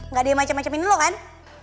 nggak ada yang macem macem ini loh kan